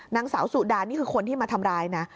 นางสาวสุดานี่คือคนที่มาทำร้ายนะ